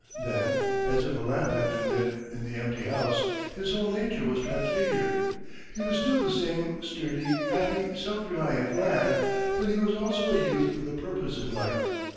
Then, as if a lamp had been lit in the empty house, his whole nature was transfigured. He was still the same sturdy, happy, self reliant lad; but he was also a youth with a purpose in life.